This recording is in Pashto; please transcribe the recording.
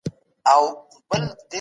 دا انتقادي روحيه مهمه تکاملي مرحله ده.